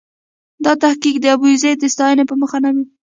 دا تحقیق د ابوزید د ستاینې په موخه نه و.